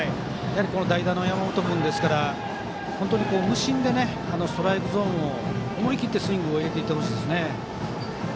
代打の山本君ですから本当に無心でストライクゾーンに、思い切ってスイングしていってほしいですね。